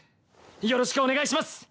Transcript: よろしくお願いします。